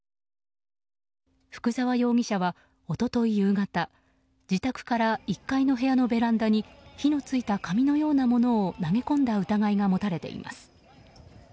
福沢容疑者は一昨日夕方自宅から１階の部屋のベランダに火の付いた紙のようなものを投げ込んだ疑いが持たれています。